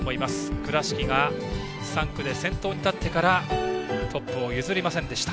倉敷が３区で先頭に立ってからトップを譲りませんでした。